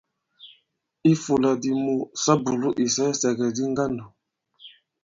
I ifūla di mu, sa bùlu isɛɛsɛ̀gɛ̀di ŋgandò.